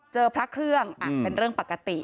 พระเครื่องเป็นเรื่องปกติ